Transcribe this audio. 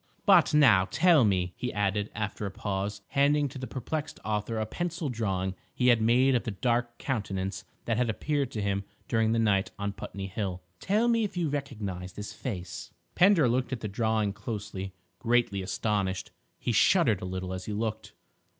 "But now, tell me," he added, after a pause, handing to the perplexed author a pencil drawing he had made of the dark countenance that had appeared to him during the night on Putney Hill—"tell me if you recognise this face?" Pender looked at the drawing closely, greatly astonished. He shuddered a little as he looked.